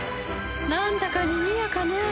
なんだかにぎやかね。